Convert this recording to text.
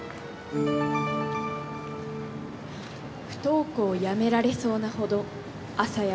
「不登校やめられそうなほど朝焼」。